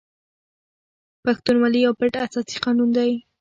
پښتونولي یو پټ اساسي قانون دی.